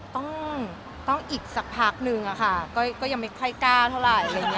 ต้องอีกสักพักนึงอะค่ะก็ยังไม่ค่อยกล้าเท่าไหร่อะไรอย่างนี้